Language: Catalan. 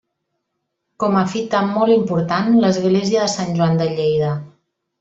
Com a fita molt important l'església de Sant Joan de Lleida.